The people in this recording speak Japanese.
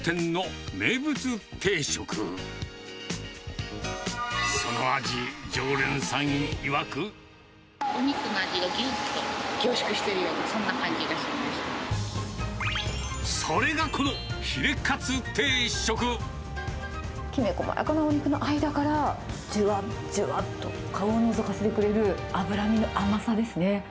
きめ細やかなお肉の間から、じゅわっ、じゅわっと顔をのぞかせてくれる脂身の甘さですね。